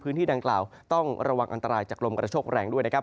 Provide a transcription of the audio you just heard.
พื้นที่ดังกล่าวต้องระวังอันตรายจากลมกระโชคแรงด้วยนะครับ